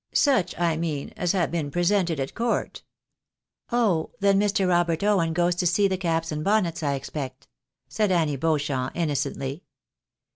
" Such, I mean, as have been presented at court." " Oh ! then Mr. Robert Owen goes to see the caps and bonnets, I expect," said Annie Beauchamp, innocently.